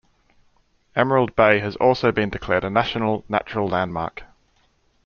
Emerald Bay has also been declared a National Natural Landmark.